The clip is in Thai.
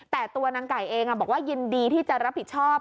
แต่ตัวนางไก่เองบอกว่ายินดีที่จะรับผิดชอบ